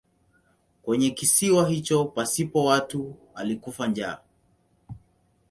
Kwenye kisiwa hicho pasipo watu alikufa njaa.